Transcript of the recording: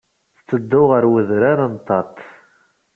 La tetteddu ɣer Wedrar n Tate.